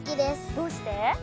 どうして？